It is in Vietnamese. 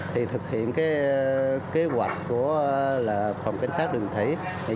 thì thực hiện cái kế hoạch của phòng cảnh sát đường thủy